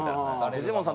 フジモンさん